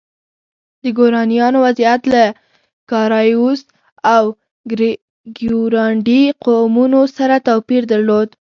د ګورانیانو وضعیت له کارایوس او کیورانډي قومونو سره توپیر درلود.